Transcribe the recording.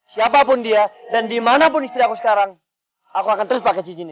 siapapun dia dan dimanapun istri aku sekarang aku akan terus pakai cincinnya